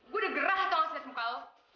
gue udah gerah atau nggak sedes mukau